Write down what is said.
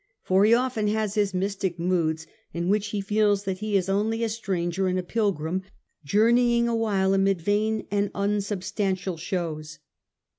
For he butre often has his mystic moods in which he feels trained from that he is only a stranger and a pilgrim ganceor journeying awhile amid vain and unsubstantial shows.